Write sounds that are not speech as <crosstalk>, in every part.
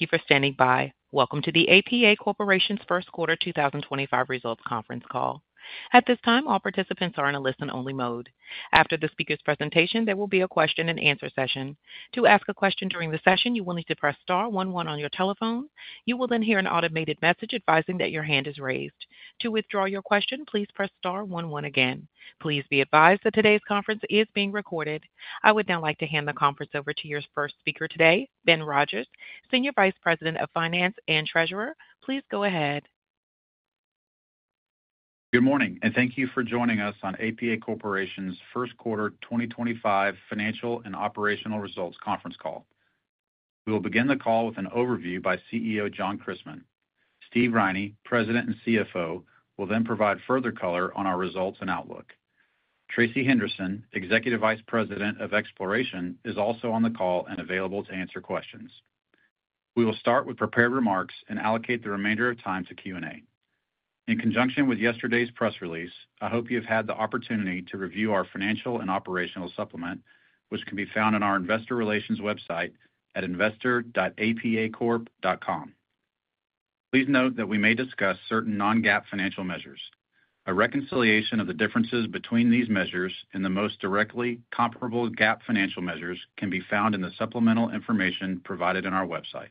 Thank you for standing by. Welcome to the APA Corporation's First-Quarter 2025 Results Conference Call. At this time, all participants are in a listen-only mode. After the speaker's presentation, there will be a question-and-answer session. To ask a question during the session, you will need to press star one one on your telephone. You will then hear an automated message advising that your hand is raised. To withdraw your question, please press star one one again. Please be advised that today's conference is being recorded. I would now like to hand the conference over to your first speaker today, Ben Rodgers, Senior Vice President of Finance and Treasurer. Please go ahead. Good morning, and thank you for joining us on APA Corporation's First-Quarter 2025 Financial and Operational Results Conference Call. We will begin the call with an overview by CEO John Christmann. Steve Riney, President and CFO, will then provide further color on our results and outlook. Tracey Henderson, Executive Vice President of Exploration, is also on the call and available to answer questions. We will start with prepared remarks and allocate the remainder of time to Q&A. In conjunction with yesterday's press release, I hope you have had the opportunity to review our financial and operational supplement, which can be found on our investor relations website at investor.apacorp.com. Please note that we may discuss certain non-GAAP financial measures. A reconciliation of the differences between these measures and the most directly comparable GAAP financial measures can be found in the supplemental information provided on our website.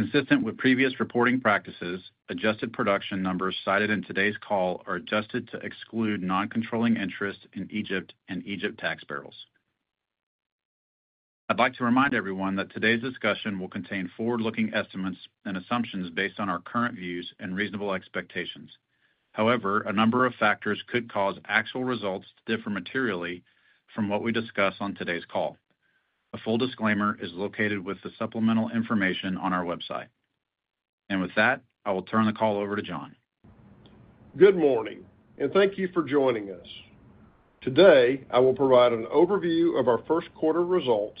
Consistent with previous reporting practices, adjusted production numbers cited in today's call are adjusted to exclude non-controlling interest in Egypt and Egypt tax barrels. I'd like to remind everyone that today's discussion will contain forward-looking estimates and assumptions based on our current views and reasonable expectations. However, a number of factors could cause actual results to differ materially from what we discuss on today's call. A full disclaimer is located with the supplemental information on our website. I will turn the call over to John. Good morning, and thank you for joining us. Today, I will provide an overview of our first quarter results,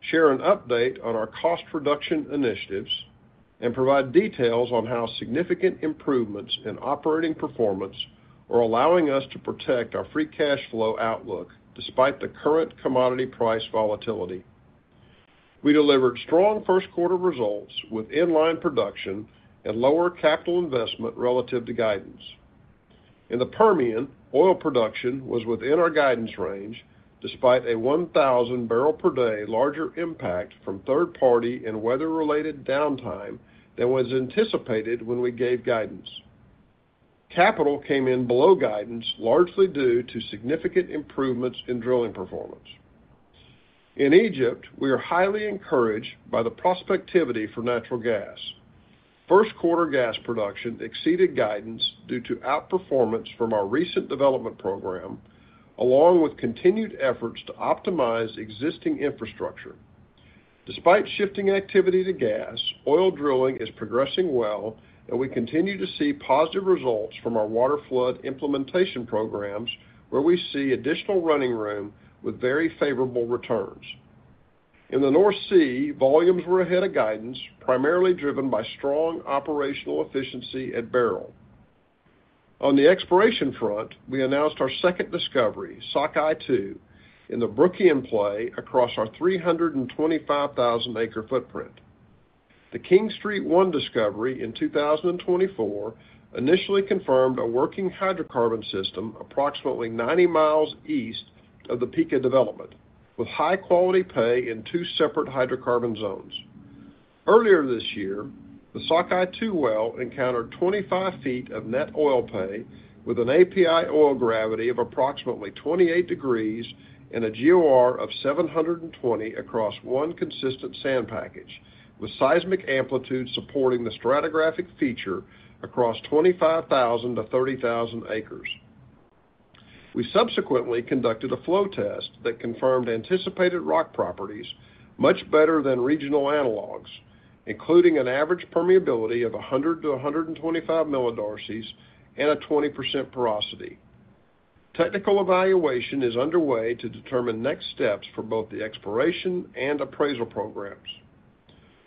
share an update on our cost reduction initiatives, and provide details on how significant improvements in operating performance are allowing us to protect our free cash flow outlook despite the current commodity price volatility. We delivered strong first quarter results with inline production and lower capital investment relative to guidance. In the Permian, oil production was within our guidance range despite a 1,000 bpd larger impact from third-party and weather-related downtime than was anticipated when we gave guidance. Capital came in below guidance, largely due to significant improvements in drilling performance. In Egypt, we are highly encouraged by the prospectivity for natural gas. First quarter gas production exceeded guidance due to outperformance from our recent development program, along with continued efforts to optimize existing infrastructure. Despite shifting activity to gas, oil drilling is progressing well, and we continue to see positive results from our waterflood implementation programs, where we see additional running room with very favorable returns. In the North Sea, volumes were ahead of guidance, primarily driven by strong operational efficiency at Barrel. On the exploration front, we announced our second discovery, Sockeye-2, in the Brookian play across our 325,000-acre footprint. The King Street-1 discovery in 2024 initially confirmed a working hydrocarbon system approximately 90 mi east of the Pikka development, with high-quality pay in two separate hydrocarbon zones. Earlier this year, the Sockeye-2 well encountered 25 ft of net oil pay with an API gravity of approximately 28 degrees and a GOR of 720 across one consistent sand package, with seismic amplitude supporting the stratigraphic feature across 25,000-30,000 acres. We subsequently conducted a flow test that confirmed anticipated rock properties much better than regional analogs, including an average permeability of 100-125 millidarcy and a 20% porosity. Technical evaluation is underway to determine next steps for both the exploration and appraisal programs.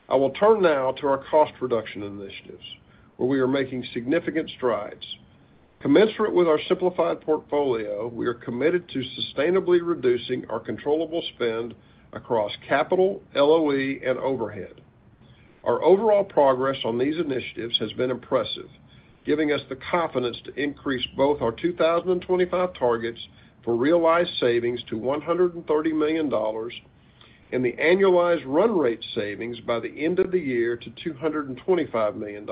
I will turn now to our cost reduction initiatives, where we are making significant strides. Commensurate with our simplified portfolio, we are committed to sustainably reducing our controllable spend across capital, LOE, and overhead. Our overall progress on these initiatives has been impressive, giving us the confidence to increase both our 2025 targets for realized savings to $130 million and the annualized run rate savings by the end of the year to $225 million.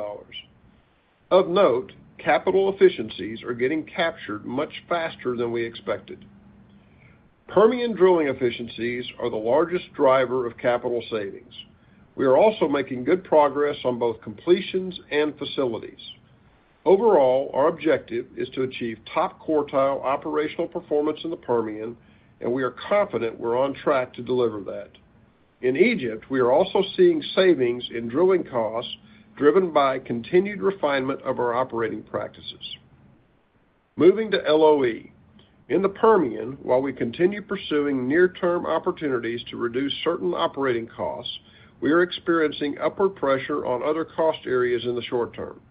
Of note, capital efficiencies are getting captured much faster than we expected. Permian drilling efficiencies are the largest driver of capital savings. We are also making good progress on both completions and facilities. Overall, our objective is to achieve top quartile operational performance in the Permian, and we are confident we're on track to deliver that. In Egypt, we are also seeing savings in drilling costs driven by continued refinement of our operating practices. Moving to LOE. In the Permian, while we continue pursuing near-term opportunities to reduce certain operating costs, we are experiencing upward pressure on other cost areas in the short term.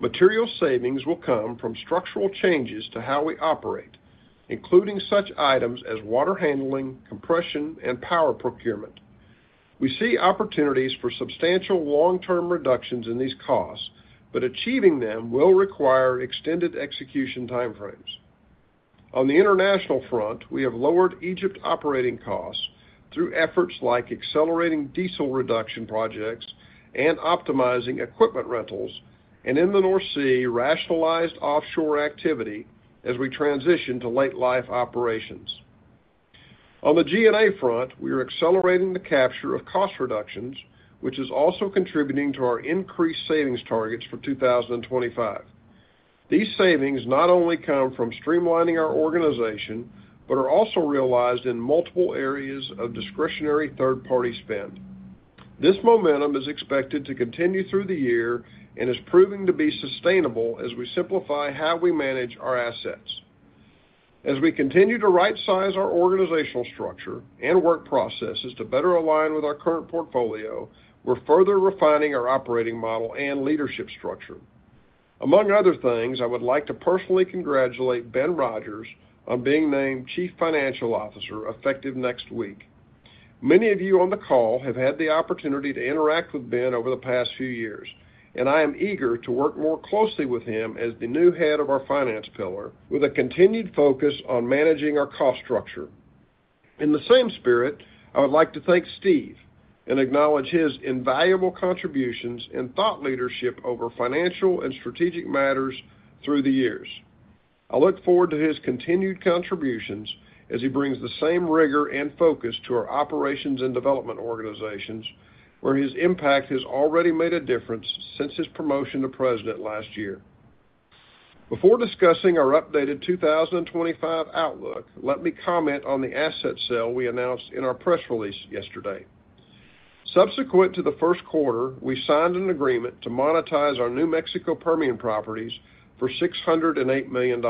Material savings will come from structural changes to how we operate, including such items as water handling, compression, and power procurement. We see opportunities for substantial long-term reductions in these costs, but achieving them will require extended execution timeframes. On the international front, we have lowered Egypt's operating costs through efforts like accelerating diesel reduction projects and optimizing equipment rentals, and in the North Sea, rationalized offshore activity as we transition to late-life operations. On the G&A front, we are accelerating the capture of cost reductions, which is also contributing to our increased savings targets for 2025. These savings not only come from streamlining our organization but are also realized in multiple areas of discretionary third-party spend. This momentum is expected to continue through the year and is proving to be sustainable as we simplify how we manage our assets. As we continue to right-size our organizational structure and work processes to better align with our current portfolio, we're further refining our operating model and leadership structure. Among other things, I would like to personally congratulate Ben Rodgers on being named Chief Financial Officer effective next week. Many of you on the call have had the opportunity to interact with Ben over the past few years, and I am eager to work more closely with him as the new head of our finance pillar with a continued focus on managing our cost structure. In the same spirit, I would like to thank Steve and acknowledge his invaluable contributions and thought leadership over financial and strategic matters through the years. I look forward to his continued contributions as he brings the same rigor and focus to our operations and development organizations, where his impact has already made a difference since his promotion to President last year. Before discussing our updated 2025 outlook, let me comment on the asset sale we announced in our press release yesterday. Subsequent to the first quarter, we signed an agreement to monetize our New Mexico Permian properties for $608 million.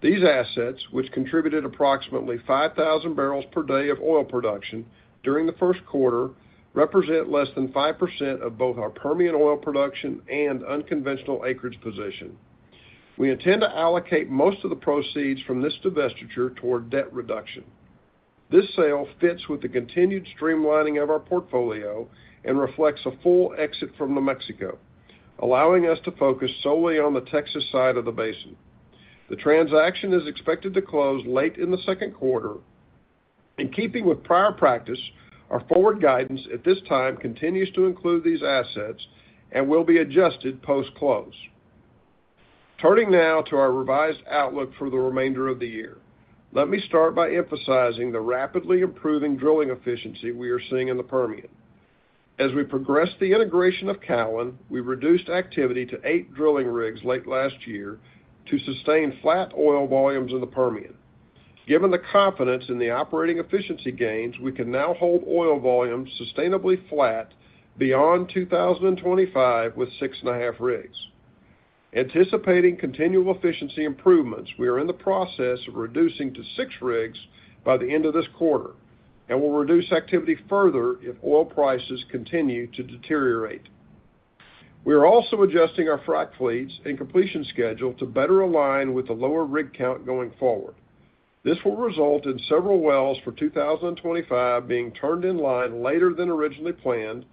These assets, which contributed approximately 5,000 bpd of oil production during the first quarter, represent less than 5% of both our Permian oil production and unconventional acreage position. We intend to allocate most of the proceeds from this divestiture toward debt reduction. This sale fits with the continued streamlining of our portfolio and reflects a full exit from New Mexico, allowing us to focus solely on the Texas side of the basin. The transaction is expected to close late in the second quarter. In keeping with prior practice, our forward guidance at this time continues to include these assets and will be adjusted post-close. Turning now to our revised outlook for the remainder of the year, let me start by emphasizing the rapidly improving drilling efficiency we are seeing in the Permian. As we progressed the integration of Callon, we reduced activity to eight drilling rigs late last year to sustain flat oil volumes in the Permian. Given the confidence in the operating efficiency gains, we can now hold oil volumes sustainably flat beyond 2025 with six and a half rigs. Anticipating continual efficiency improvements, we are in the process of reducing to six rigs by the end of this quarter and will reduce activity further if oil prices continue to deteriorate. We are also adjusting our frack fleets and completion schedule to better align with the lower rig count going forward. This will result in several wells for 2025 being turned in line later than originally planned,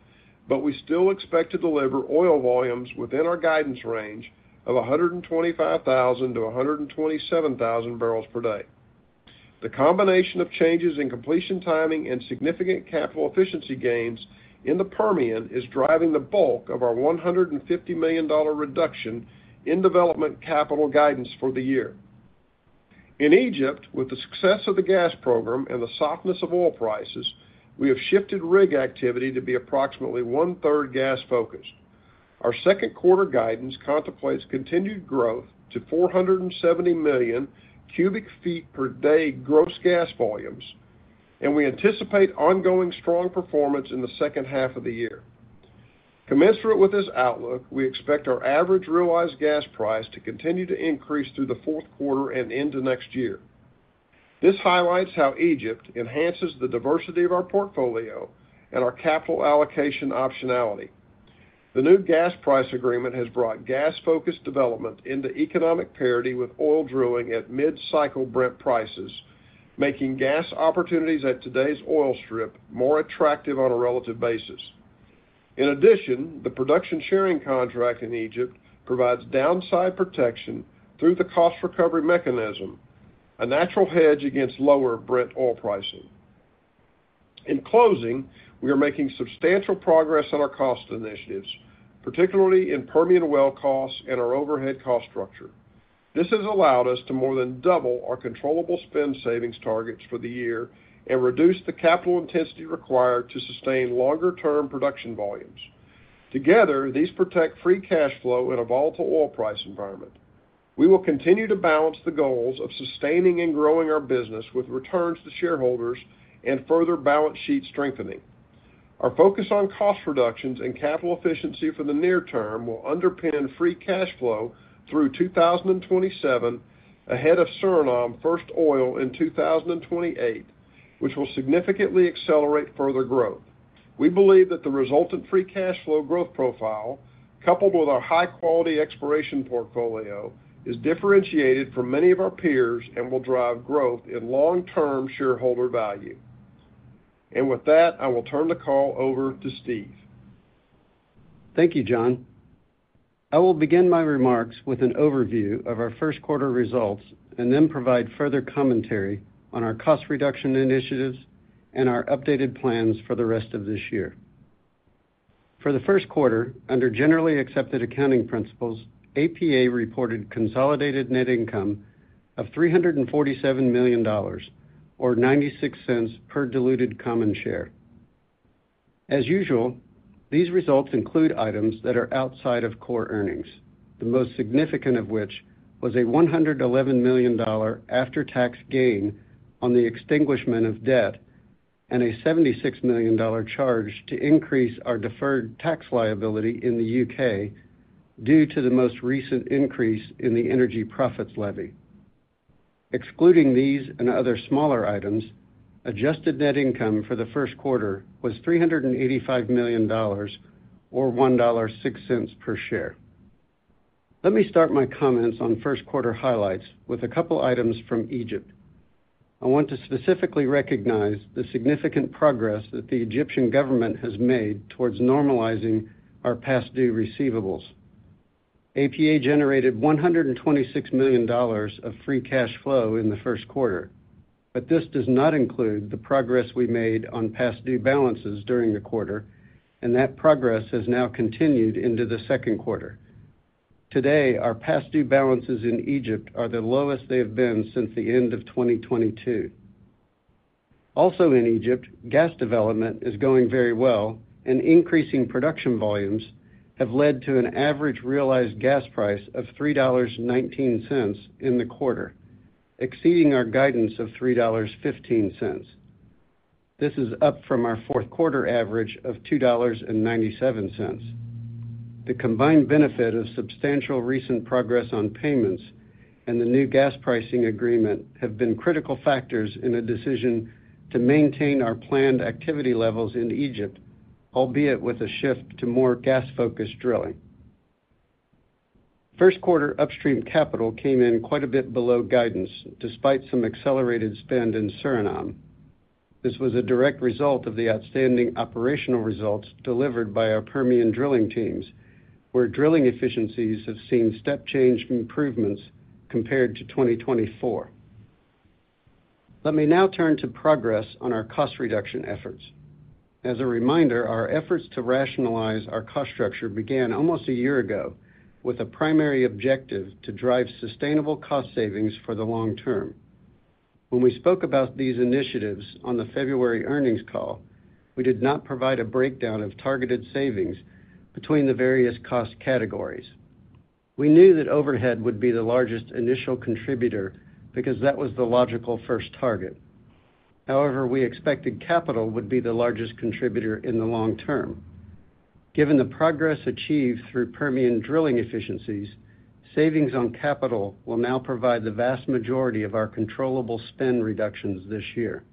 but we still expect to deliver oil volumes within our guidance range of 125,000-127,000 bpd. The combination of changes in completion timing and significant capital efficiency gains in the Permian is driving the bulk of our $150 million reduction in development capital guidance for the year. In Egypt, with the success of the gas program and the softness of oil prices, we have shifted rig activity to be approximately one-third gas-focused. Our second quarter guidance contemplates continued growth to 470 MMcfd gross gas volumes, and we anticipate ongoing strong performance in the second half of the year. Commensurate with this outlook, we expect our average realized gas price to continue to increase through the fourth quarter and into next year. This highlights how Egypt enhances the diversity of our portfolio and our capital allocation optionality. The new gas price agreement has brought gas-focused development into economic parity with oil drilling at mid-cycle Brent prices, making gas opportunities at today's oil strip more attractive on a relative basis. In addition, the production sharing contract in Egypt provides downside protection through the cost recovery mechanism, a natural hedge against lower Brent oil pricing. In closing, we are making substantial progress on our cost initiatives, particularly in Permian well costs and our overhead cost structure. This has allowed us to more than double our controllable spend savings targets for the year and reduce the capital intensity required to sustain longer-term production volumes. Together, these protect free cash flow in a volatile oil price environment. We will continue to balance the goals of sustaining and growing our business with returns to shareholders and further balance sheet strengthening. Our focus on cost reductions and capital efficiency for the near term will underpin free cash flow through 2027 ahead of Suriname first oil in 2028, which will significantly accelerate further growth. We believe that the resultant free cash flow growth profile, coupled with our high-quality exploration portfolio, is differentiated from many of our peers and will drive growth in long-term shareholder value. I will turn the call over to Steve. Thank you, John. I will begin my remarks with an overview of our first quarter results and then provide further commentary on our cost reduction initiatives and our updated plans for the rest of this year. For the first quarter, under generally accepted accounting principles, APA reported consolidated net income of $347 million, or $0.96 per diluted common share. As usual, these results include items that are outside of core earnings, the most significant of which was a $111 million after-tax gain on the extinguishment of debt and a $76 million charge to increase our deferred tax liability in the U.K. due to the most recent increase in the energy profits levy. Excluding these and other smaller items, adjusted net income for the first quarter was $385 million, or $1.06 per share. Let me start my comments on first quarter highlights with a couple of items from Egypt. I want to specifically recognize the significant progress that the Egyptian government has made towards normalizing our past due receivables. APA generated $126 million of free cash flow in the first quarter, but this does not include the progress we made on past due balances during the quarter, and that progress has now continued into the second quarter. Today, our past due balances in Egypt are the lowest they have been since the end of 2022. Also in Egypt, gas development is going very well, and increasing production volumes have led to an average realized gas price of $3.19 in the quarter, exceeding our guidance of $3.15. This is up from our fourth quarter average of $2.97. The combined benefit of substantial recent progress on payments and the new gas pricing agreement have been critical factors in a decision to maintain our planned activity levels in Egypt, albeit with a shift to more gas-focused drilling. First quarter upstream capital came in quite a bit below guidance despite some accelerated spend in Suriname. This was a direct result of the outstanding operational results delivered by our Permian drilling teams, where drilling efficiencies have seen step-change improvements compared to 2024. Let me now turn to progress on our cost reduction efforts. As a reminder, our efforts to rationalize our cost structure began almost a year ago with a primary objective to drive sustainable cost savings for the long term. When we spoke about these initiatives on the February earnings call, we did not provide a breakdown of targeted savings between the various cost categories. We knew that overhead would be the largest initial contributor because that was the logical first target. However, we expected capital would be the largest contributor in the long term. Given the progress achieved through Permian drilling efficiencies, savings on capital will now provide the vast majority of our controllable spend reductions this year.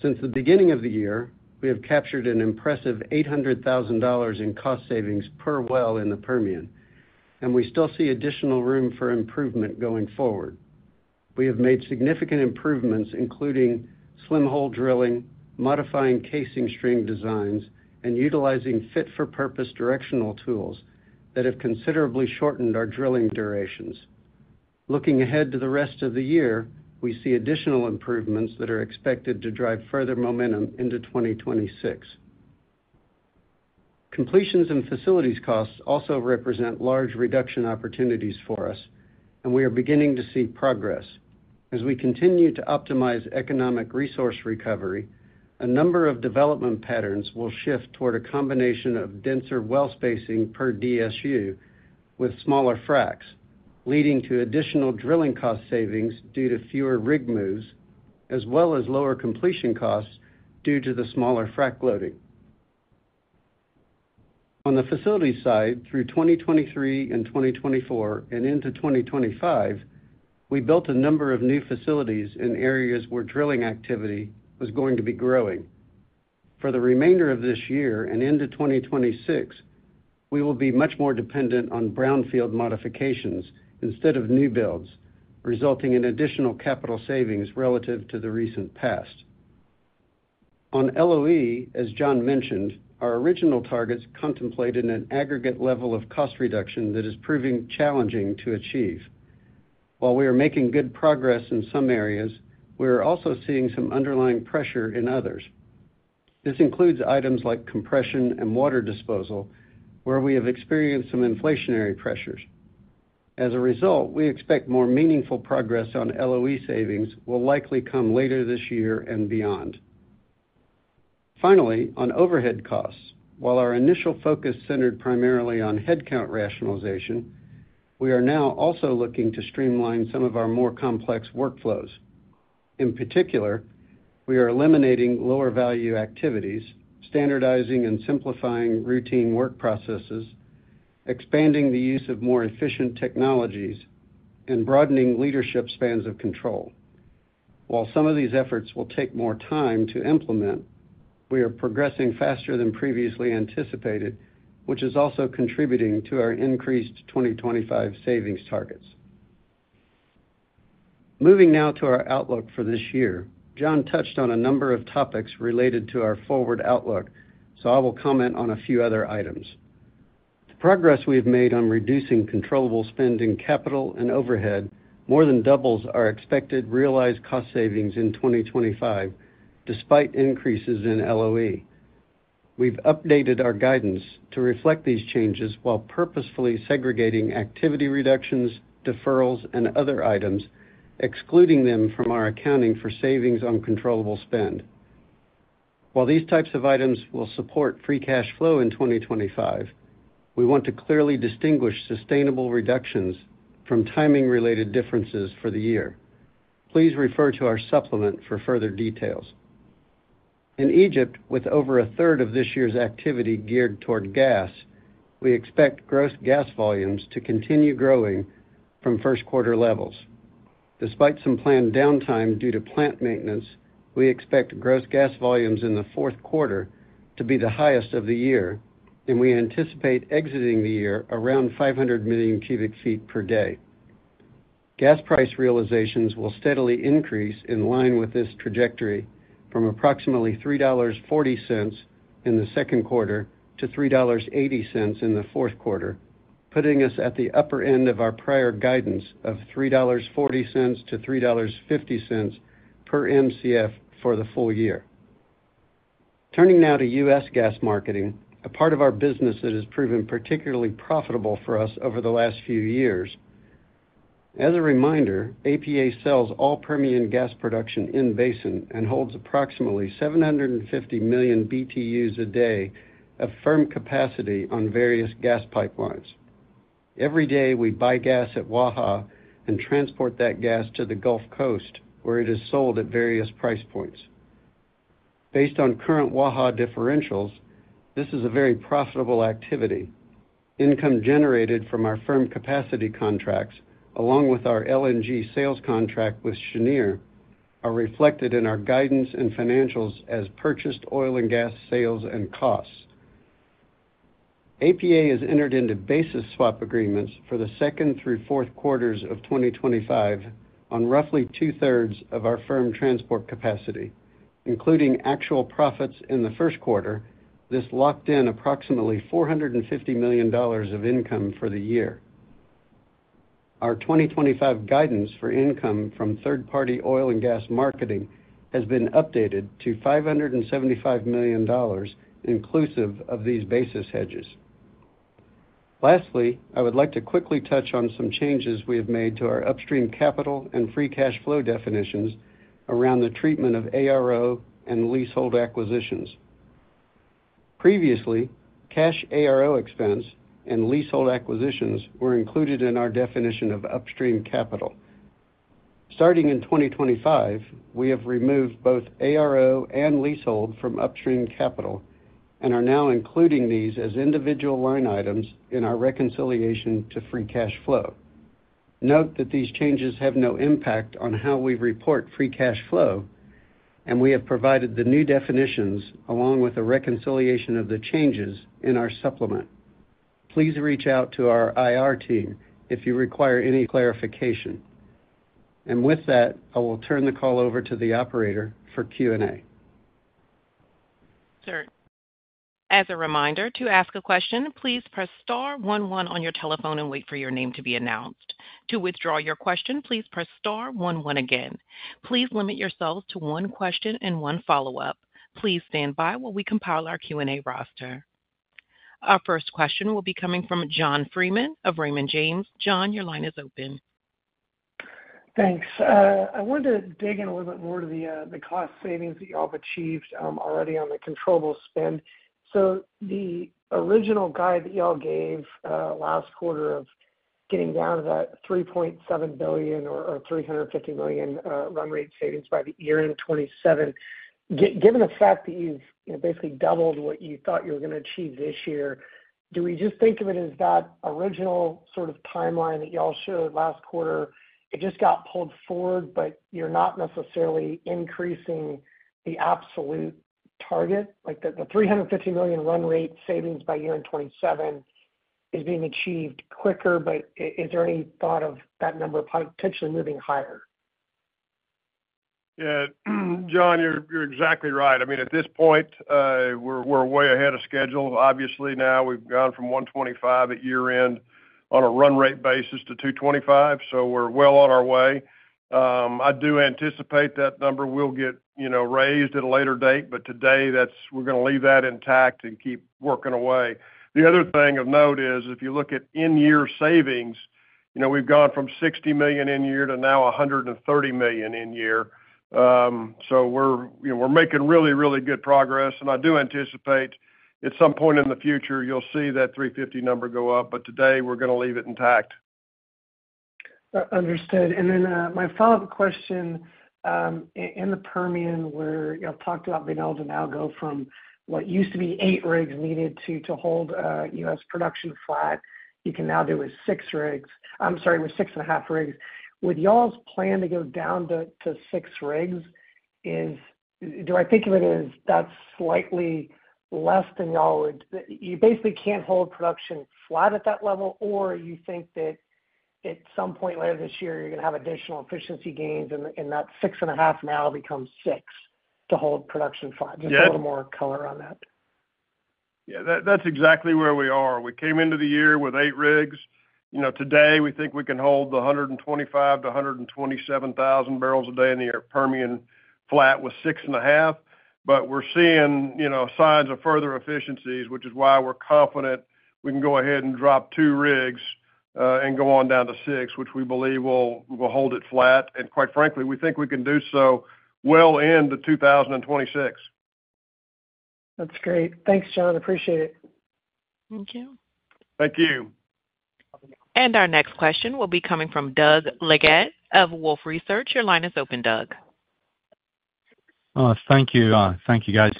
Since the beginning of the year, we have captured an impressive $800,000 in cost savings per well in the Permian, and we still see additional room for improvement going forward. We have made significant improvements, including slim hole drilling, modifying casing string designs, and utilizing fit-for-purpose directional tools that have considerably shortened our drilling durations. Looking ahead to the rest of the year, we see additional improvements that are expected to drive further momentum into 2026. Completions and facilities costs also represent large reduction opportunities for us, and we are beginning to see progress. As we continue to optimize economic resource recovery, a number of development patterns will shift toward a combination of denser well spacing per DSU with smaller fracks, leading to additional drilling cost savings due to fewer rig moves, as well as lower completion costs due to the smaller frack loading. On the facility side, through 2023 and 2024 and into 2025, we built a number of new facilities in areas where drilling activity was going to be growing. For the remainder of this year and into 2026, we will be much more dependent on brownfield modifications instead of new builds, resulting in additional capital savings relative to the recent past. On LOE, as John mentioned, our original targets contemplated an aggregate level of cost reduction that is proving challenging to achieve. While we are making good progress in some areas, we are also seeing some underlying pressure in others. This includes items like compression and water disposal, where we have experienced some inflationary pressures. As a result, we expect more meaningful progress on LOE savings will likely come later this year and beyond. Finally, on overhead costs, while our initial focus centered primarily on headcount rationalization, we are now also looking to streamline some of our more complex workflows. In particular, we are eliminating lower-value activities, standardizing and simplifying routine work processes, expanding the use of more efficient technologies, and broadening leadership spans of control. While some of these efforts will take more time to implement, we are progressing faster than previously anticipated, which is also contributing to our increased 2025 savings targets. Moving now to our outlook for this year, John touched on a number of topics related to our forward outlook, so I will comment on a few other items. The progress we've made on reducing controllable spend in capital and overhead more than doubles our expected realized cost savings in 2025, despite increases in LOE. We've updated our guidance to reflect these changes while purposefully segregating activity reductions, deferrals, and other items, excluding them from our accounting for savings on controllable spend. While these types of items will support free cash flow in 2025, we want to clearly distinguish sustainable reductions from timing-related differences for the year. Please refer to our supplement for further details. In Egypt, with over 1/3rd of this year's activity geared toward gas, we expect gross gas volumes to continue growing from first quarter levels. Despite some planned downtime due to plant maintenance, we expect gross gas volumes in the fourth quarter to be the highest of the year, and we anticipate exiting the year around 500 MMcfd. Gas price realizations will steadily increase in line with this trajectory from approximately $3.40 in the second quarter to $3.80 in the fourth quarter, putting us at the upper end of our prior guidance of $3.40-$3.50 per MCF for the full year. Turning now to U.S. gas marketing, a part of our business that has proven particularly profitable for us over the last few years. As a reminder, APA sells all Permian gas production in Basin and holds approximately 750 million BTUs a day of firm capacity on various gas pipelines. Every day, we buy gas at Waha and transport that gas to the Gulf Coast, where it is sold at various price points. Based on current Waha differentials, this is a very profitable activity. Income generated from our firm capacity contracts, along with our LNG sales contract with Cheniere, are reflected in our guidance and financials as purchased oil and gas sales and costs. APA has entered into basis swap agreements for the second through fourth quarters of 2025 on roughly 2/3rds of our firm transport capacity, including actual profits in the first quarter. This locked in approximately $450 million of income for the year. Our 2025 guidance for income from third-party oil and gas marketing has been updated to $575 million, inclusive of these basis hedges. Lastly, I would like to quickly touch on some changes we have made to our upstream capital and free cash flow definitions around the treatment of ARO and leasehold acquisitions. Previously, cash ARO expense and leasehold acquisitions were included in our definition of upstream capital. Starting in 2025, we have removed both ARO and leasehold from upstream capital and are now including these as individual line items in our reconciliation to free cash flow. Note that these changes have no impact on how we report free cash flow, and we have provided the new definitions along with a reconciliation of the changes in our supplement. Please reach out to our IR team if you require any clarification. I will turn the call over to the operator for Q&A. Sure. As a reminder, to ask a question, please press star one one on your telephone and wait for your name to be announced. To withdraw your question, please press star one one again. Please limit yourselves to one question and one follow-up. Please stand by while we compile our Q&A roster. Our first question will be coming from John Freeman of Raymond James. John, your line is open. Thanks. I wanted to dig in a little bit more to the cost savings that you all have achieved already on the controllable spend. The original guide that you all gave last quarter of getting down to that $3.7 billion or $350 million run rate savings by the year in 2027, given the fact that you've basically doubled what you thought you were going to achieve this year, do we just think of it as that original sort of timeline that you all showed last quarter? It just got pulled forward, but you're not necessarily increasing the absolute target. The $350 million run rate savings by year in 2027 is being achieved quicker, but is there any thought of that number potentially moving higher? Yeah. John, you're exactly right. I mean, at this point, we're way ahead of schedule. Obviously, now we've gone from $125 million at year-end on a run rate basis to $225 million. So we're well on our way. I do anticipate that number will get raised at a later date, but today, we're going to leave that intact and keep working away. The other thing of note is, if you look at in-year savings, we've gone from $60 million in year to now $130 million in year. So we're making really, really good progress. I do anticipate at some point in the future, you'll see that $350 million number go up, but today, we're going to leave it intact. Understood. My follow-up question, in the Permian, where you all talked about [Van Alden Algo] from what used to be eight rigs needed to hold U.S. production flat, you can now do with six rigs—I'm sorry, with six and a half rigs. Would you all's plan to go down to six rigs? Do I think of it as that's slightly less than you all would? You basically can't hold production flat at that level, or you think that at some point later this year, you're going to have additional efficiency gains and that six and a half now becomes six to hold production flat? Just a little more color on that. Yeah. That's exactly where we are. We came into the year with eight rigs. Today, we think we can hold the 125,000-127,000 bpd in the Permian flat with six and a half, but we're seeing signs of further efficiencies, which is why we're confident we can go ahead and drop two rigs and go on down to six, which we believe will hold it flat. Quite frankly, we think we can do so well into 2026. That's great. Thanks, John. Appreciate it. Thank you. Thank you. Our next question will be coming from Doug Leggate of Wolfe Research. Your line is open, Doug. Thank you. Thank you, guys.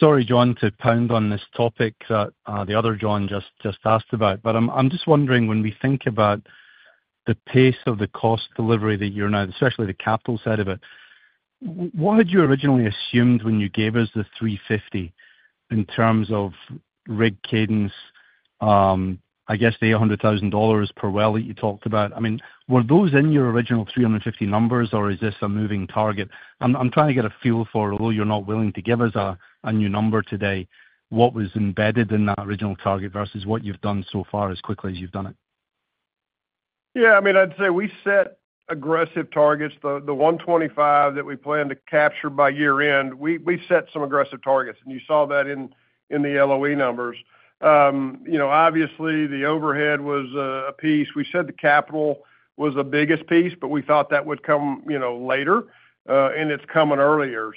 Sorry, John, to pound on this topic that the other John just asked about, but I'm just wondering, when we think about the pace of the cost delivery that you're now, especially the capital side of it, what had you originally assumed when you gave us the $350 million in terms of rig cadence, I guess the $800,000 per well that you talked about? I mean, were those in your original $350 million numbers, or is this a moving target? I'm trying to get a feel for, although you're not willing to give us a new number today, what was embedded in that original target versus what you've done so far as quickly as you've done it? Yeah. I mean, I'd say we set aggressive targets. The $125 million that we plan to capture by year-end, we set some aggressive targets, and you saw that in the LOE numbers. Obviously, the overhead was a piece. We said the capital was the biggest piece, but we thought that would come later, and it's coming earlier.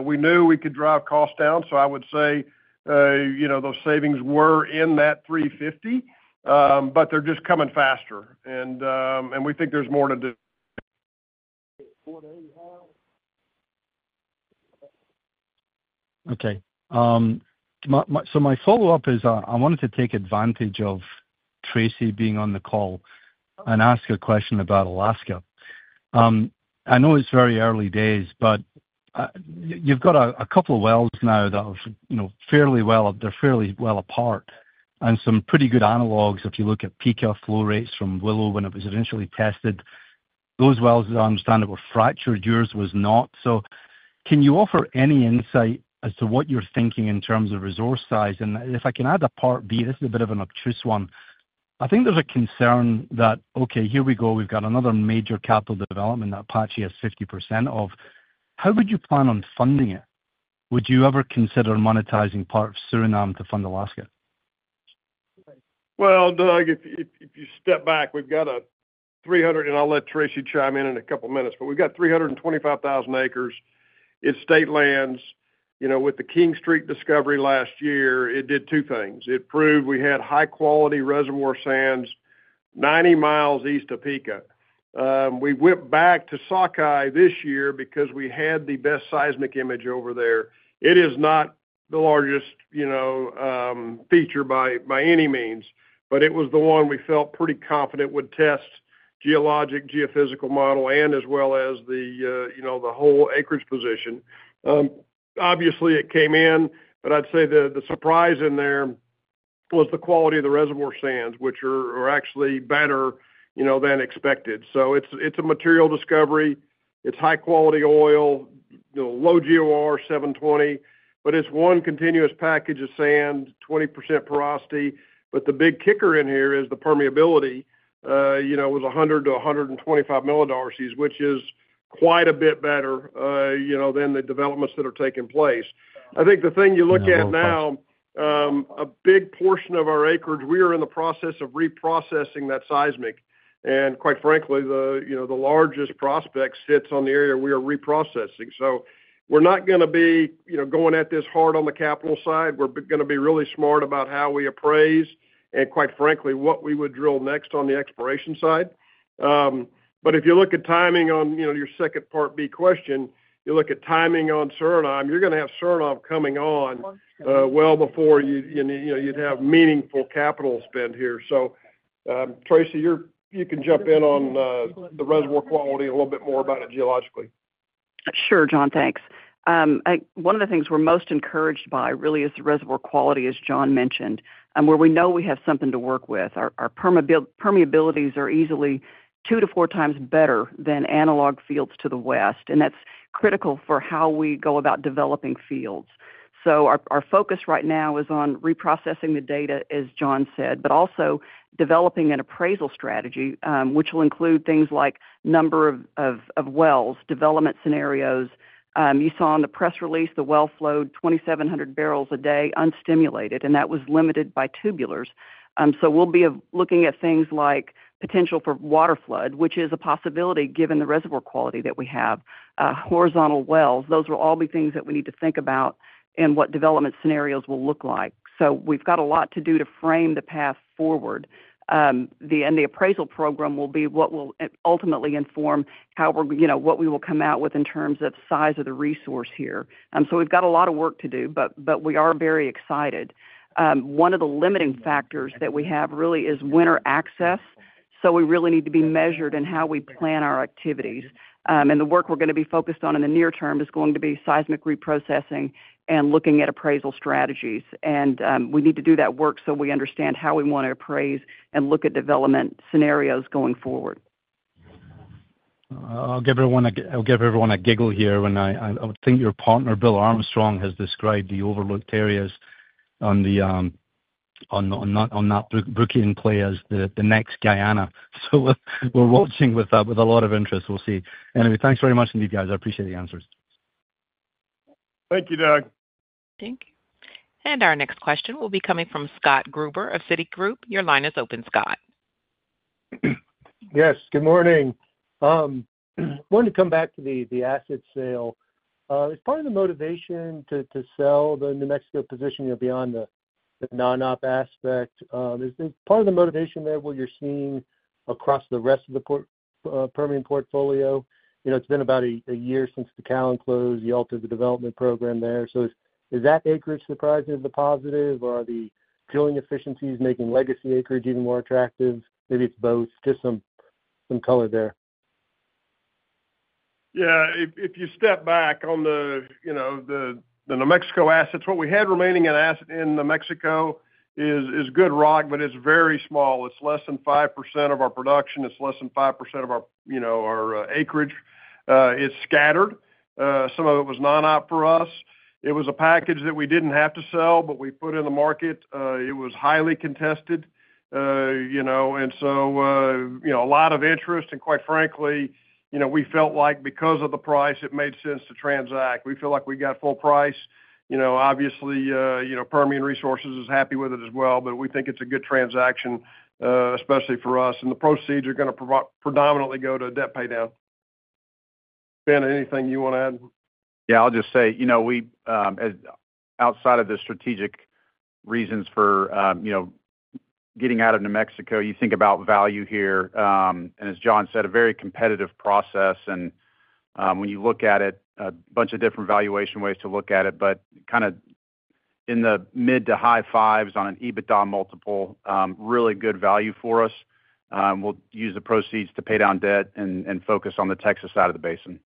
We knew we could drive costs down, so I would say those savings were in that $350 million, but they're just coming faster. We think there's more to do. Okay. My follow-up is, I wanted to take advantage of Tracey being on the call and ask a question about Alaska. I know it's very early days, but you've got a couple of wells now that are fairly well apart and some pretty good analogs. If you look at Pikka flow rates from Willow when it was initially tested, those wells, as I understand it, were fractured. Yours was not. Can you offer any insight as to what you're thinking in terms of resource size? If I can add a part B, this is a bit of an obtuse one. I think there's a concern that, okay, here we go. We've got another major capital development that Apache has 50% of. How would you plan on funding it? Would you ever consider monetizing part of Suriname to fund Alaska? Doug, if you step back, we've got a 300—and I'll let Tracey chime in in a couple of minutes—but we've got 325,000 acres. It's state lands. With the King Street discovery last year, it did two things. It proved we had high-quality reservoir sands 90 mi east of Pikka. We went back to Sockeye this year because we had the best seismic image over there. It is not the largest feature by any means, but it was the one we felt pretty confident would test geologic, geophysical model, and as well as the whole acreage position. Obviously, it came in, but I'd say the surprise in there was the quality of the reservoir sands, which are actually better than expected. It's a material discovery. It's high-quality oil, low GOR, 720, but it's one continuous package of sand, 20% porosity. The big kicker in here is the permeability was 100-125 millidarcy, which is quite a bit better than the developments that are taking place. I think the thing you look at now, a big portion of our acreage, we are in the process of reprocessing that seismic. Quite frankly, the largest prospect sits on the area we are reprocessing. We are not going to be going at this hard on the capital side. We are going to be really smart about how we appraise and, quite frankly, what we would drill next on the exploration side. If you look at timing on your second part B question, you look at timing on Suriname, you are going to have Suriname coming on well before you would have meaningful capital spend here. Tracey, you can jump in on the reservoir quality a little bit more about it geologically. Sure, John. Thanks. One of the things we're most encouraged by really is the reservoir quality, as John mentioned, where we know we have something to work with. Our permeabilities are easily two to four times better than analog fields to the west, and that's critical for how we go about developing fields. Our focus right now is on reprocessing the data, as John said, but also developing an appraisal strategy, which will include things like number of wells, development scenarios. You saw in the press release, the well-flowed 2,700 bpd unstimulated, and that was limited by tubulars. We will be looking at things like potential for waterflood, which is a possibility given the reservoir quality that we have. Horizontal wells, those will all be things that we need to think about and what development scenarios will look like. We have a lot to do to frame the path forward. The appraisal program will be what will ultimately inform what we will come out with in terms of size of the resource here. We have a lot of work to do, but we are very excited. One of the limiting factors that we have really is winter access. We really need to be measured in how we plan our activities. The work we are going to be focused on in the near term is going to be seismic reprocessing and looking at appraisal strategies. We need to do that work so we understand how we want to appraise and look at development scenarios going forward. I'll give everyone a giggle here. I think your partner, Bill Armstrong, has described the overlooked areas on that Brookian play as the next Guyana. So we're watching with a lot of interest. We'll see. Anyway, thanks very much indeed, guys. I appreciate the answers. Thank you, Doug. Thank you. Our next question will be coming from Scott Gruber of Citigroup. Your line is open, Scott. Yes. Good morning. I wanted to come back to the asset sale. Is part of the motivation to sell the New Mexico position beyond the non-op aspect? Is part of the motivation there what you're seeing across the rest of the Permian portfolio? It's been about a year since the Callon closed. You altered the development program there. Is that acreage surprisingly positive, or are the drilling efficiencies making legacy acreage even more attractive? Maybe it's both. Just some color there. Yeah. If you step back on the New Mexico assets, what we had remaining in New Mexico is good rock, but it's very small. It's less than 5% of our production. It's less than 5% of our acreage. It's scattered. Some of it was non-op for us. It was a package that we did not have to sell, but we put in the market. It was highly contested. A lot of interest. Quite frankly, we felt like because of the price, it made sense to transact. We feel like we got full price. Obviously, Permian Resources is happy with it as well. We think it's a good transaction, especially for us. The proceeds are going to predominantly go to debt paydown. Ben, anything you want to add? Yeah. I'll just say, outside of the strategic reasons for getting out of New Mexico, you think about value here. As John said, a very competitive process. When you look at it, a bunch of different valuation ways to look at it, but kind of in the mid to high fives on an EBITDA multiple, really good value for us. We'll use the proceeds to pay down debt and focus on the Texas side of the basin.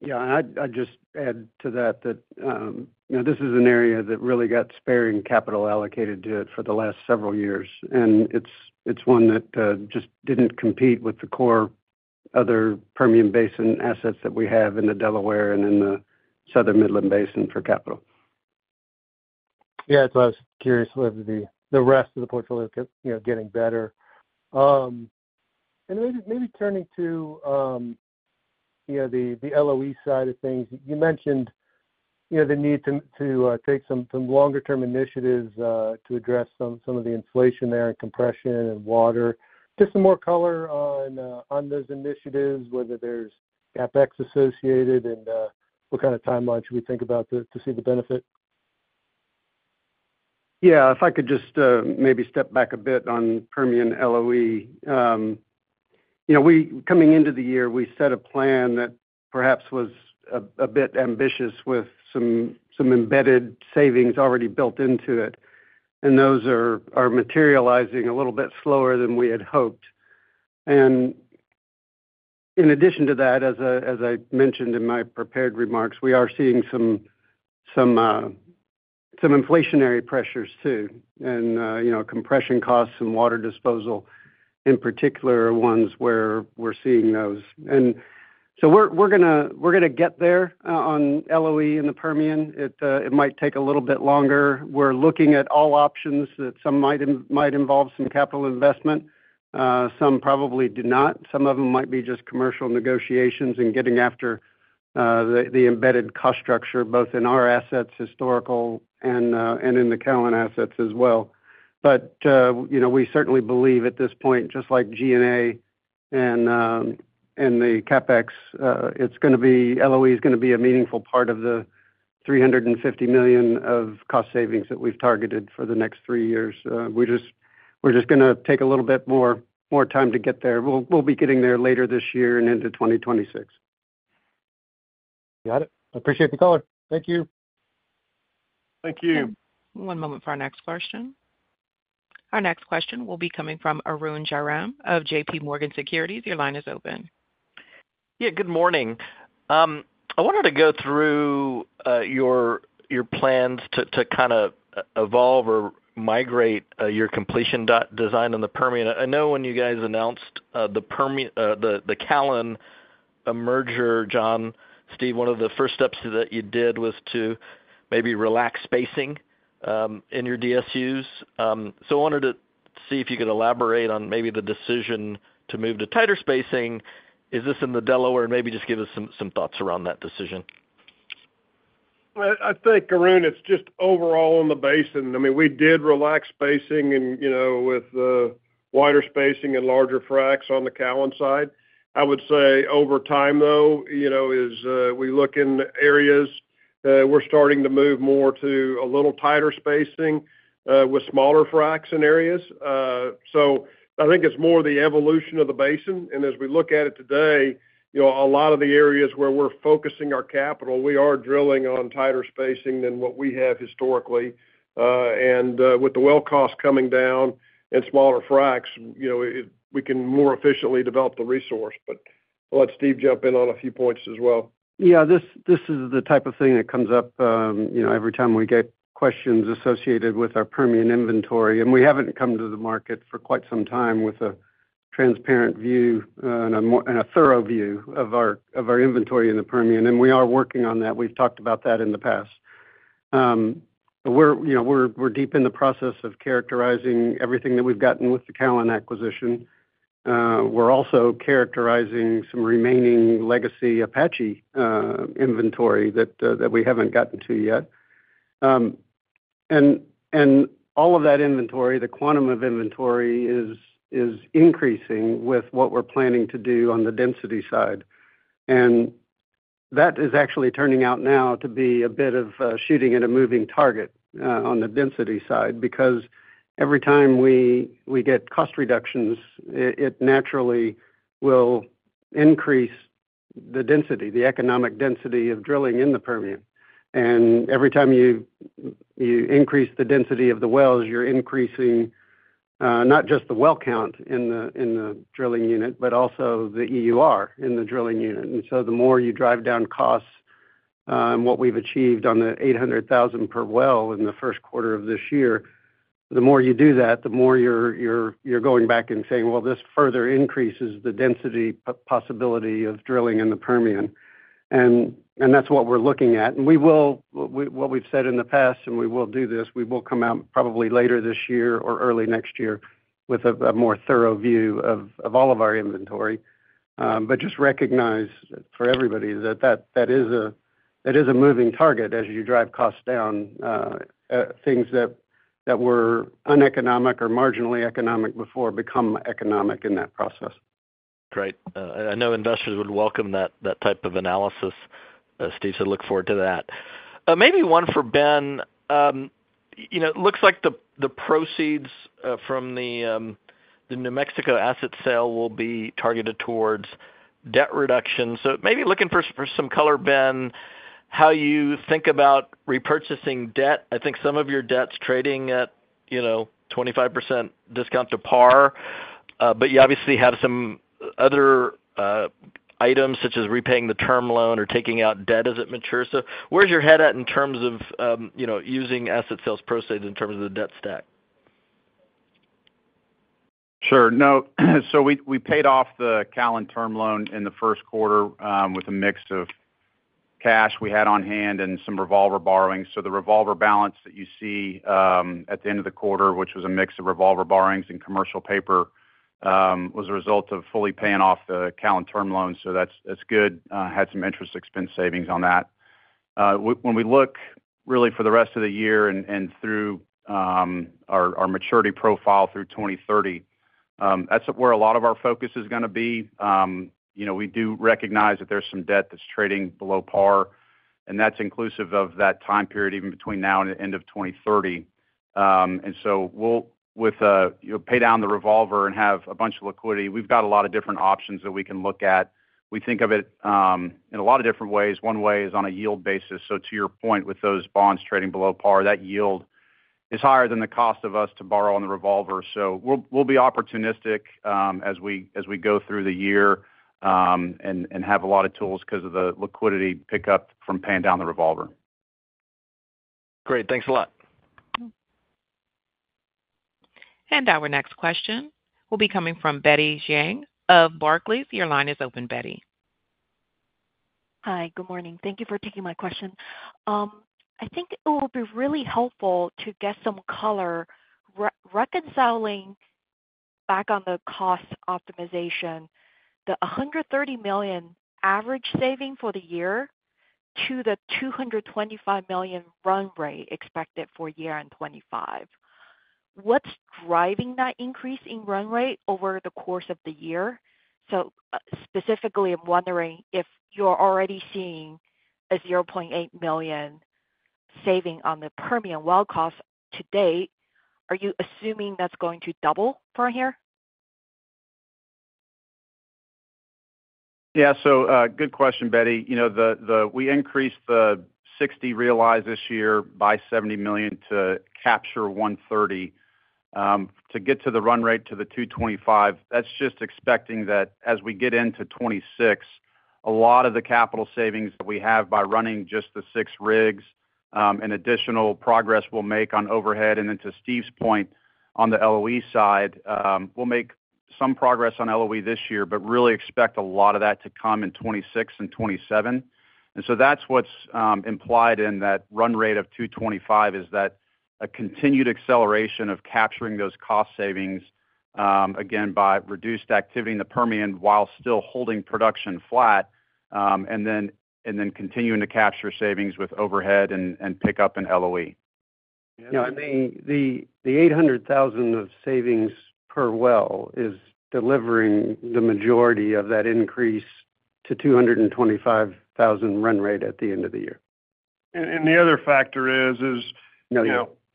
Yeah. I'd just add to that that this is an area that really got sparing capital allocated to it for the last several years. It's one that just didn't compete with the core other Permian Basin assets that we have in the Delaware and in the southern Midland Basin for capital. Yeah. I was curious whether the rest of the portfolio kept getting better. Maybe turning to the LOE side of things, you mentioned the need to take some longer-term initiatives to address some of the inflation there and compression and water. Just some more color on those initiatives, whether there is CapEx associated, and what kind of timeline should we think about to see the benefit. Yeah. If I could just maybe step back a bit on Permian LOE. Coming into the year, we set a plan that perhaps was a bit ambitious with some embedded savings already built into it. Those are materializing a little bit slower than we had hoped. In addition to that, as I mentioned in my prepared remarks, we are seeing some inflationary pressures too. Compression costs and water disposal, in particular, are ones where we are seeing those. We're going to get there on LOE in the Permian. It might take a little bit longer. We're looking at all options that some might involve some capital investment. Some probably do not. Some of them might be just commercial negotiations and getting after the embedded cost structure, both in our assets, historical, and in the Callon assets as well. We certainly believe at this point, just like G&A and the CapEx, LOE is going to be a meaningful part of the $350 million of cost savings that we've targeted for the next three years. It's just going to take a little bit more time to get there. We'll be getting there later this year and into 2026. Got it. Appreciate the color. Thank you. Thank you. One moment for our next question. Our next question will be coming from Arun Jarayam of JPMorgan Securities. Your line is open. Yeah. Good morning. I wanted to go through your plans to kind of evolve or migrate your completion design on the Permian. I know when you guys announced the Callon merger, John, Steve, one of the first steps that you did was to maybe relax spacing in your DSUs. I wanted to see if you could elaborate on maybe the decision to move to tighter spacing. Is this in the Delaware? Maybe just give us some thoughts around that decision. I think, Arun, it's just overall in the Basin. I mean, we did relax spacing with wider spacing and larger fracs on the Callon side. I would say over time, though, as we look in areas, we're starting to move more to a little tighter spacing with smaller fracs in areas. I think it's more the evolution of the basin. As we look at it today, a lot of the areas where we're focusing our capital, we are drilling on tighter spacing than what we have historically. With the well costs coming down and smaller fracs, we can more efficiently develop the resource. I'll let Steve jump in on a few points as well. Yeah. This is the type of thing that comes up every time we get questions associated with our Permian inventory. We have not come to the market for quite some time with a transparent view and a thorough view of our inventory in the Permian. We are working on that. We have talked about that in the past. We are deep in the process of characterizing everything that we have gotten with the Callon acquisition. We are also characterizing some remaining legacy Apache inventory that we have not gotten to yet. All of that inventory, the quantum of inventory, is increasing with what we are planning to do on the density side. That is actually turning out now to be a bit of a shooting and a moving target on the density side because every time we get cost reductions, it naturally will increase the density, the economic density of drilling in the Permian. Every time you increase the density of the wells, you're increasing not just the well count in the drilling unit, but also the EUR in the drilling unit. The more you drive down costs, what we've achieved on the $800,000 per well in the first quarter of this year, the more you do that, the more you're going back and saying, "Well, this further increases the density possibility of drilling in the Permian." That is what we're looking at. What we have said in the past, and we will do this, we will come out probably later this year or early next year with a more thorough view of all of our inventory. Just recognize for everybody that that is a moving target as you drive costs down. Things that were uneconomic or marginally economic before become economic in that process. Great. I know investors would welcome that type of analysis. Steve, so look forward to that. Maybe one for Ben. It looks like the proceeds from the New Mexico asset sale will be targeted towards debt reduction. Maybe looking for some color, Ben, how you think about repurchasing debt? I think some of your debt's trading at 25% discount to par. You obviously have some other items such as repaying the term loan or taking out debt as it matures. Where's your head at in terms of using asset sales proceeds in terms of the debt stack? Sure. We paid off the Callon term loan in the first quarter with a mix of cash we had on hand and some revolver borrowing. The revolver balance that you see at the end of the quarter, which was a mix of revolver borrowings and commercial paper, was a result of fully paying off the Callon term loan. That is good. Had some interest expense savings on that. When we look really for the rest of the year and through our maturity profile through 2030, that is where a lot of our focus is going to be. We do recognize that there is some debt that is trading below par. That is inclusive of that time period even between now and the end of 2030. With pay down the revolver and have a bunch of liquidity, we have got a lot of different options that we can look at. We think of it in a lot of different ways. One way is on a yield basis. To your point, with those bonds trading below par, that yield is higher than the cost of us to borrow on the revolver. We will be opportunistic as we go through the year and have a lot of tools because of the liquidity pickup from paying down the revolver. Great. Thanks a lot. Our next question will be coming from Betty Jiang of Barclays. Your line is open, Betty. Hi. Good morning. Thank you for taking my question. I think it will be really helpful to get some color reconciling back on the cost optimization, the $130 million average saving for the year to the $225 million run rate expected for year end 2025. What's driving that increase in run rate over the course of the year? Specifically, I'm wondering if you're already seeing a $0.8 million saving on the Permian well costs to date. Are you assuming that's going to double from here? Yeah. Good question, Betty. We increased the [$60 million realized] this year by $70 million to capture $130 million to get to the run rate to the $225 million. That is just expecting that as we get into 2026, a lot of the capital savings that we have by running just the six rigs and additional progress we will make on overhead. To Steve's point on the LOE side, we will make some progress on LOE this year, but really expect a lot of that to come in 2026 and 2027. That is what is implied in that run rate of $225 million, that a continued acceleration of capturing those cost savings, again, by reduced activity in the Permian while still holding production flat, and then continuing to capture savings with overhead and pickup and LOE. Yeah. The $800,000 of savings per well is delivering the majority of that increase to $225,000 run rate at the end of the year. The other factor is.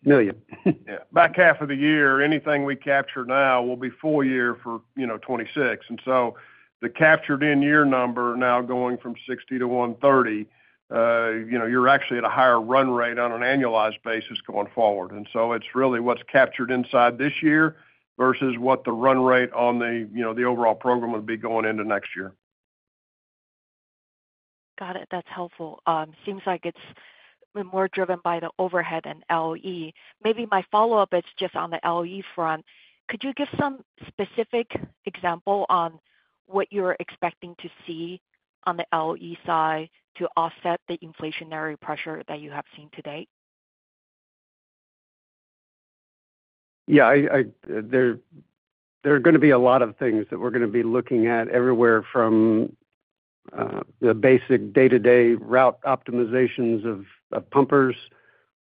Million. Yeah. Back half of the year, anything we capture now will be full year for 2026. And so the captured in year number now going from $60 million to $130 million, you're actually at a higher run rate on an annualized basis going forward. And so it's really what's captured inside this year versus what the run rate on the overall program would be going into next year. Got it. That's helpful. Seems like it's more driven by the overhead and LOE. Maybe my follow-up is just on the LOE front. Could you give some specific example on what you're expecting to see on the LOE side to offset the inflationary pressure that you have seen today? Yeah. There are going to be a lot of things that we're going to be looking at everywhere from the basic day-to-day route optimizations of pumpers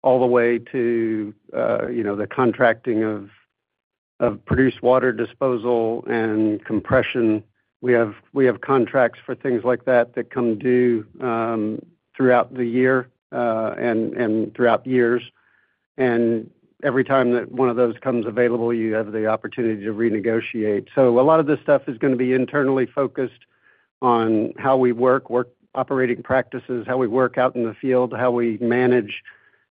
all the way to the contracting of produced water disposal and compression. We have contracts for things like that that come due throughout the year and throughout years. Every time that one of those comes available, you have the opportunity to renegotiate. A lot of this stuff is going to be internally focused on how we work, work operating practices, how we work out in the field, how we manage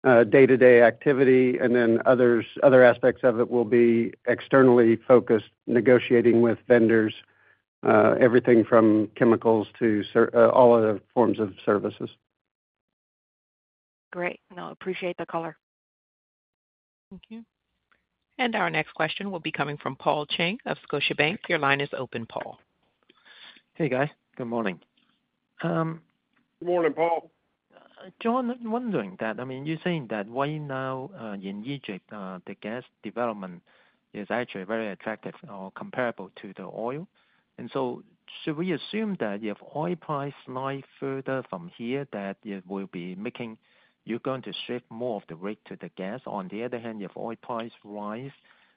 day-to-day activity. Other aspects of it will be externally focused, negotiating with vendors, everything from chemicals to all other forms of services. Great. I appreciate the color. Thank you. Our next question will be coming from Paul Cheng of Scotiabank. Your line is open, Paul. Hey, guys. Good morning. Good morning, Paul. John, one thing that I mean, you're saying that right now in Egypt, the gas development is actually very attractive or comparable to the oil. Should we assume that if oil price slides further from here, that it will be making you're going to shift more of the rate to the gas? On the other hand, if oil price rises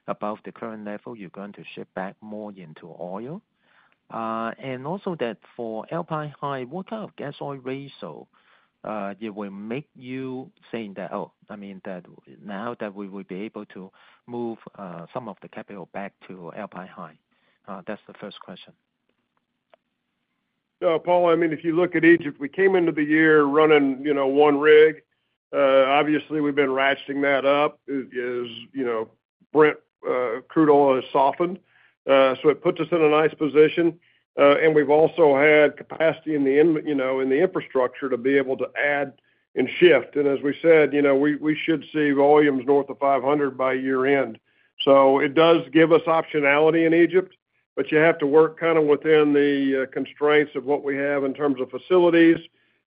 above the current level, you're going to shift back more into oil. Also, for Alpine High, what kind of gas oil ratio will make you say that, "Oh, I mean, now that we will be able to move some of the capital back to Alpine High?" That's the first question. Paul, I mean, if you look at Egypt, we came into the year running one rig. Obviously, we've been ratcheting that up as Brent crude oil has softened. It puts us in a nice position. We've also had capacity in the infrastructure to be able to add and shift. As we said, we should see volumes north of 500 MMcfd by year-end. It does give us optionality in Egypt, but you have to work kind of within the constraints of what we have in terms of facilities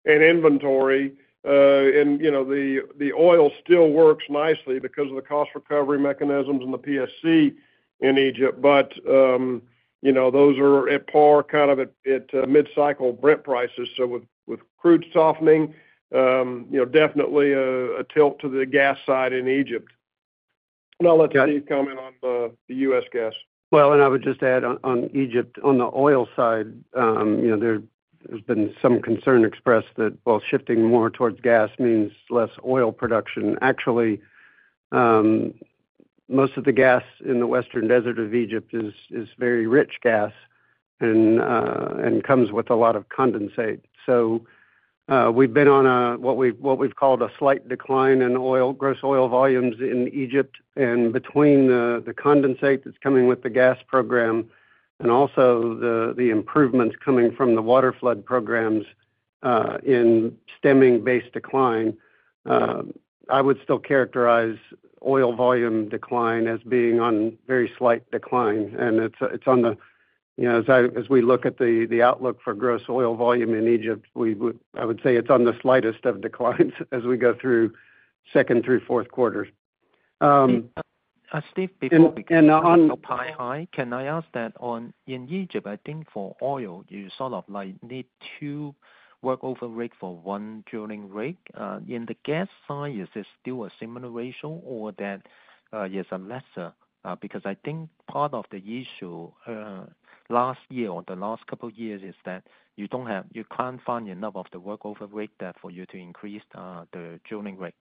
and inventory. The oil still works nicely because of the cost recovery mechanisms and the PSC in Egypt. Those are at par kind of at mid-cycle Brent prices. With crude softening, definitely a tilt to the gas side in Egypt. I'll let Steve comment on the U.S. gas. I would just add on Egypt, on the oil side, there's been some concern expressed that while shifting more towards gas means less oil production. Actually, most of the gas in the Western Desert of Egypt is very rich gas and comes with a lot of condensate. We've been on what we've called a slight decline in oil, gross oil volumes in Egypt, and between the condensate that's coming with the gas program and also the improvements coming from the waterflood programs in stemming-based decline, I would still characterize oil volume decline as being on very slight decline. It's on the, as we look at the outlook for gross oil volume in Egypt, I would say it's on the slightest of declines as we go through second through fourth quarters. Steve, before we go. And on. Alpine High, can I ask that in Egypt, I think for oil, you sort of need two workover rate for one drilling rate. In the gas side, is it still a similar ratio or that is a lesser? Because I think part of the issue last year or the last couple of years is that you can't find enough of the workover rate for you to increase the drilling rate.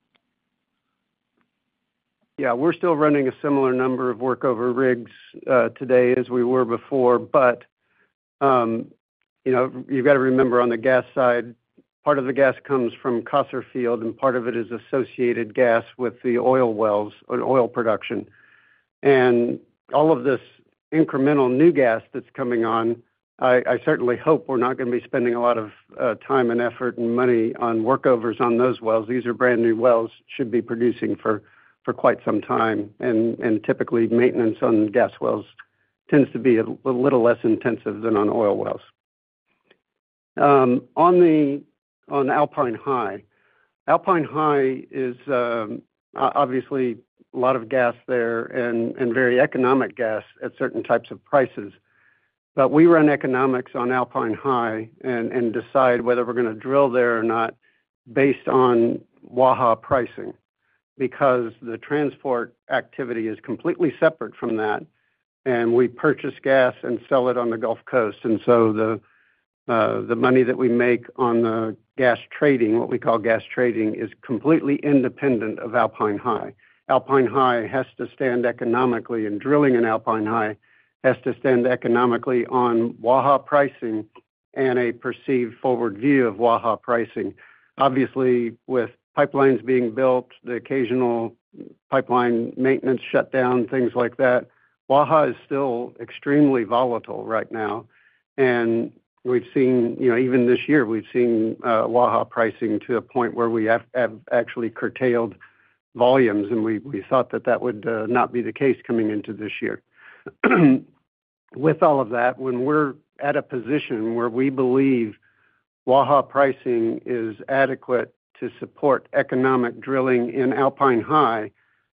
Yeah. We're still running a similar number of workover rigs today as we were before. You have to remember on the gas side, part of the gas comes from [Kotter field], and part of it is associated gas with the oil wells and oil production. All of this incremental new gas that's coming on, I certainly hope we're not going to be spending a lot of time and effort and money on workovers on those wells. These are brand new wells, should be producing for quite some time. Typically, maintenance on gas wells tends to be a little less intensive than on oil wells. On Alpine High, Alpine High is obviously a lot of gas there and very economic gas at certain types of prices. We run economics on Alpine High and decide whether we're going to drill there or not based on Waha pricing because the transport activity is completely separate from that. We purchase gas and sell it on the Gulf Coast. The money that we make on the gas trading, what we call gas trading, is completely independent of Alpine High. Alpine High has to stand economically, and drilling in Alpine High has to stand economically on Waha pricing and a perceived forward view of Waha pricing. Obviously, with pipelines being built, the occasional pipeline maintenance shutdown, things like that, Waha is still extremely volatile right now. We've seen even this year, we've seen Waha pricing to a point where we have actually curtailed volumes, and we thought that that would not be the case coming into this year. With all of that, when we're at a position where we believe Waha pricing is adequate to support economic drilling in Alpine High,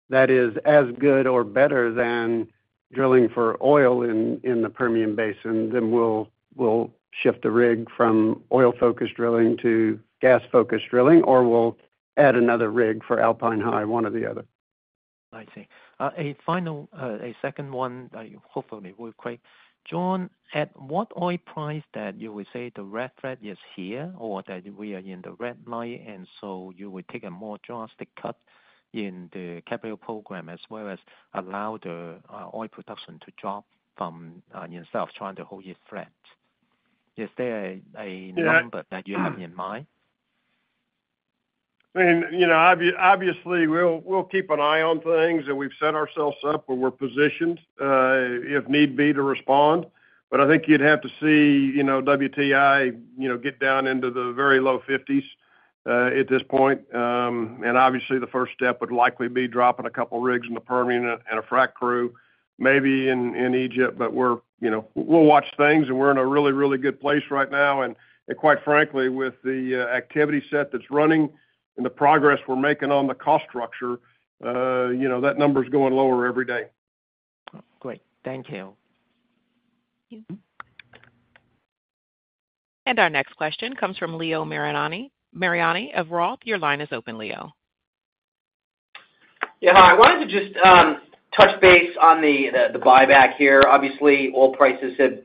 that is as good or better than drilling for oil in the Permian Basin, then we'll shift the rig from oil-focused drilling to gas-focused drilling, or we'll add another rig for Alpine High, one or the other. I see. A second one, hopefully, will be quick. John, at what oil price that you would say the red thread is here or that we are in the red line, and so you would take a more drastic cut in the capital program as well as allow the oil production to drop from instead of trying to hold its thread? Is there a number that you have in mind? I mean, obviously, we'll keep an eye on things, and we've set ourselves up where we're positioned if need be to respond. I think you'd have to see WTI get down into the very low $50s at this point. Obviously, the first step would likely be dropping a couple of rigs in the Permian and a frack crew, maybe in Egypt. We'll watch things, and we're in a really, really good place right now. Quite frankly, with the activity set that's running and the progress we're making on the cost structure, that number's going lower every day. Great. Thank you. Thank you. Our next question comes from Leo Mariani of Roth. Your line is open, Leo. Yeah. Hi. I wanted to just touch base on the buyback here. Obviously, oil prices have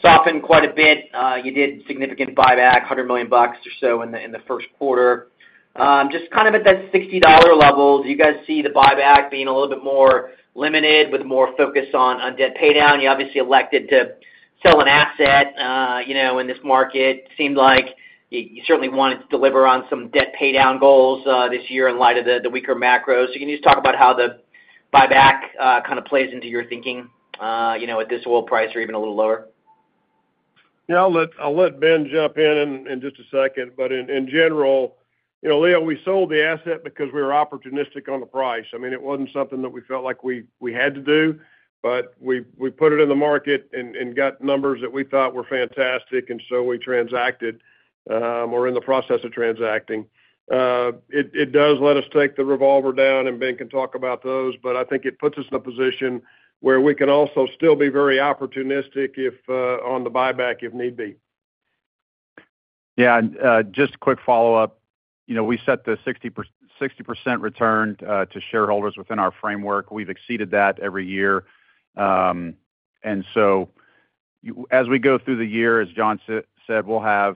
softened quite a bit. You did significant buyback, $100 million or so in the first quarter. Just kind of at that $60 level, do you guys see the buyback being a little bit more limited with more focus on debt paydown? You obviously elected to sell an asset in this market. It seemed like you certainly wanted to deliver on some debt paydown goals this year in light of the weaker macro. Can you just talk about how the buyback kind of plays into your thinking at this oil price or even a little lower? Yeah. I'll let Ben jump in in just a second. In general, Leo, we sold the asset because we were opportunistic on the price. I mean, it was not something that we felt like we had to do, but we put it in the market and got numbers that we thought were fantastic. We transacted or are in the process of transacting. It does let us take the revolver down, and Ben can talk about those. I think it puts us in a position where we can also still be very opportunistic on the buyback if need be. Yeah. Just a quick follow-up. We set the 60% return to shareholders within our framework. We've exceeded that every year. As we go through the year, as John said, we'll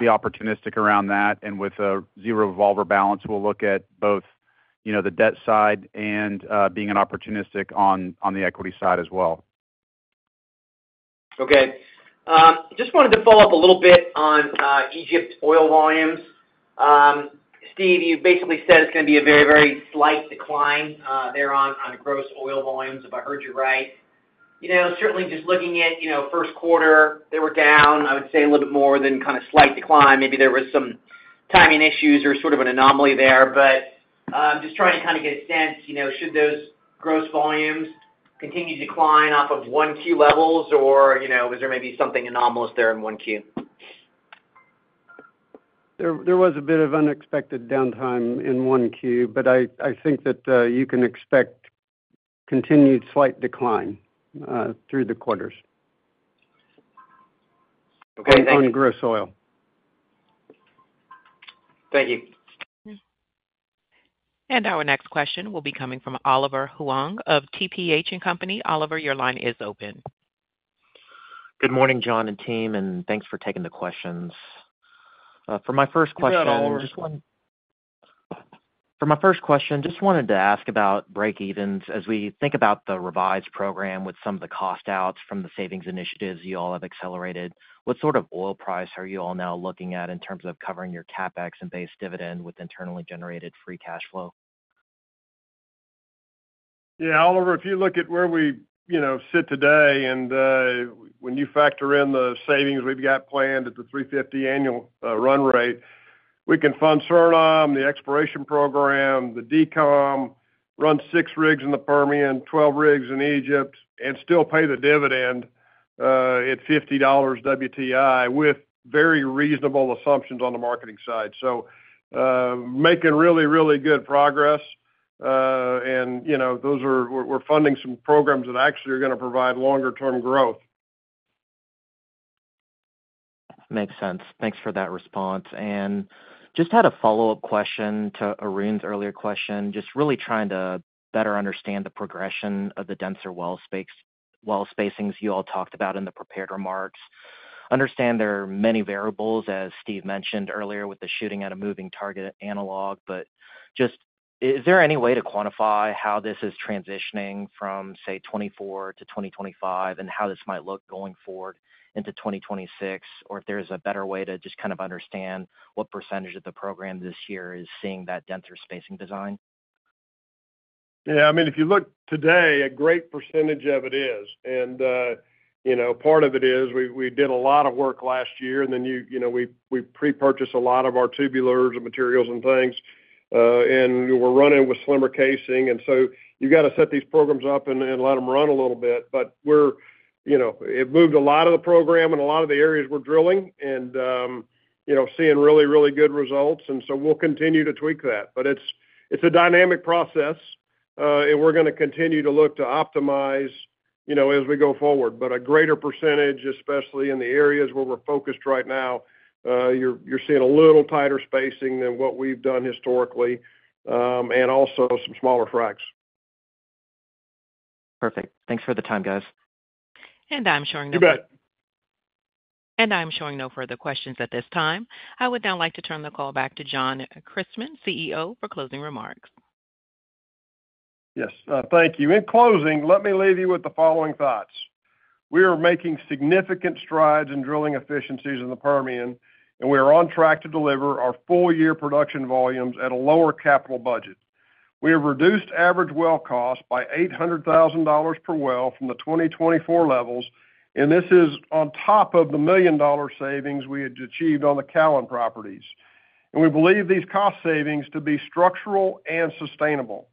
be opportunistic around that. With a zero revolver balance, we'll look at both the debt side and being opportunistic on the equity side as well. Okay. Just wanted to follow up a little bit on Egypt's oil volumes. Steve, you basically said it's going to be a very, very slight decline there on gross oil volumes, if I heard you right. Certainly, just looking at first quarter, they were down, I would say, a little bit more than kind of slight decline. Maybe there were some timing issues or sort of an anomaly there. Just trying to kind of get a sense, should those gross volumes continue to decline off of one-queue levels, or was there maybe something anomalous there in one-queue? There was a bit of unexpected downtime in 1Q, but I think that you can expect continued slight decline through the quarters on gross oil. Thank you. Our next question will be coming from Oliver Huang of TPH&Company. Oliver, your line is open. Good morning, John and team, and thanks for taking the questions. For my first question. <crosstalk> Just one. For my first question, just wanted to ask about breakevens as we think about the revised program with some of the cost outs from the savings initiatives you all have accelerated. What sort of oil price are you all now looking at in terms of covering your CapEx and base dividend with internally generated free cash flow? Yeah. Oliver, if you look at where we sit today and when you factor in the savings we've got planned at the $350 million annual run rate, we can fund Suriname, the exploration program, the decom, run six rigs in the Permian, 12 rigs in Egypt, and still pay the dividend at $50 WTI with very reasonable assumptions on the marketing side. Making really, really good progress. We're funding some programs that actually are going to provide longer-term growth. Makes sense. Thanks for that response. I just had a follow-up question to Arun's earlier question, just really trying to better understand the progression of the denser well spacings you all talked about in the prepared remarks. I understand there are many variables, as Steve mentioned earlier, with the shooting at a moving target analog. Is there any way to quantify how this is transitioning from, say, 2024 to 2025 and how this might look going forward into 2026, or if there's a better way to just kind of understand what percentage of the program this year is seeing that denser spacing design? Yeah. I mean, if you look today, a great percentage of it is. Part of it is we did a lot of work last year, and then we pre-purchased a lot of our tubulars and materials and things, and we're running with slimmer casing. You have to set these programs up and let them run a little bit. It moved a lot of the program and a lot of the areas we're drilling and seeing really, really good results. We will continue to tweak that. It is a dynamic process, and we're going to continue to look to optimize as we go forward. A greater percentage, especially in the areas where we're focused right now, you're seeing a little tighter spacing than what we've done historically and also some smaller fracs. Perfect. Thanks for the time, guys. I'm showing no. You bet. I'm showing no further questions at this time. I would now like to turn the call back to John Christmann, CEO, for closing remarks. Yes. Thank you. In closing, let me leave you with the following thoughts. We are making significant strides in drilling efficiencies in the Permian, and we are on track to deliver our full-year production volumes at a lower capital budget. We have reduced average well cost by $800,000 per well from the 2024 levels, and this is on top of the million-dollar savings we had achieved on the Callon properties. We believe these cost savings to be structural and sustainable.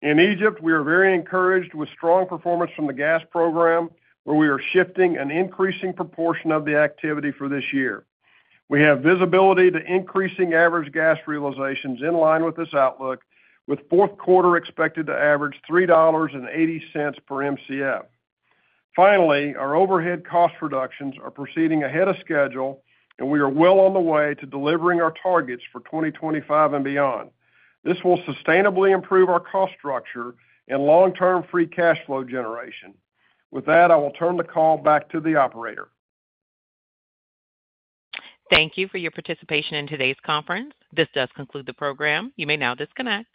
In Egypt, we are very encouraged with strong performance from the gas program, where we are shifting an increasing proportion of the activity for this year. We have visibility to increasing average gas realizations in line with this outlook, with fourth quarter expected to average $3.80 per MCF. Finally, our overhead cost reductions are proceeding ahead of schedule, and we are well on the way to delivering our targets for 2025 and beyond. This will sustainably improve our cost structure and long-term free cash flow generation. With that, I will turn the call back to the operator. Thank you for your participation in today's conference. This does conclude the program. You may now disconnect.